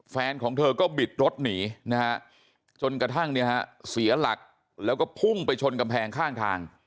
แฟนของเธอก็บิดรถหนีนะฮะจนกระทั่งเนี่ยฮะเสียหลักแล้วก็พุ่งไปชนกำแพงข้างทาง